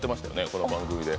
この番組で。